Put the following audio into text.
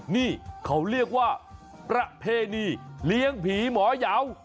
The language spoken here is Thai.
นี่เขาเรียกว่าประเพณีเลี้ยงผีหมอยาว